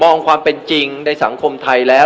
ความเป็นจริงในสังคมไทยแล้ว